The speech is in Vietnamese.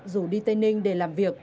rủ đi tây ninh để làm việc